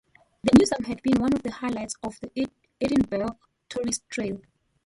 The museum had been one of the highlights of the Edinburgh tourist trail.